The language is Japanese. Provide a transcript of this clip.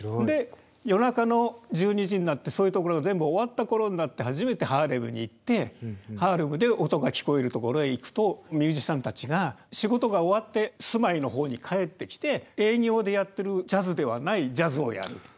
で夜中の１２時になってそういう所が全部終わった頃になって初めてハーレムに行ってハーレムで音が聞こえる所へ行くとミュージシャンたちが仕事が終わって住まいの方に帰ってきて営業でやってるジャズではないジャズをやる。